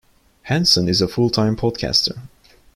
Henson is a full-time podcaster.